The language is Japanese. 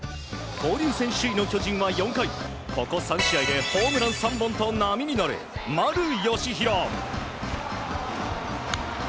交流戦首位の巨人は４回ここ３試合でホームラン３本と波に乗る丸佳浩。